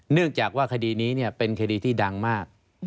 เนื่องจากว่าคดีนี้เป็นคดีที่ดังมาก